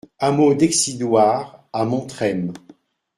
Hameau d'Excidoire à Montrem